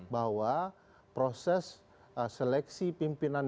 bahwa proses seleksi pimpinan